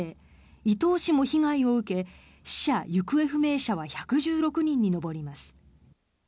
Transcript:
伊東市も被害を受け死者・行方不明者は１１６人に上ります。